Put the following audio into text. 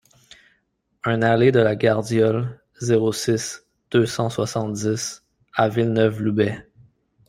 un allée de la Gardiole, zéro six, deux cent soixante-dix à Villeneuve-Loubet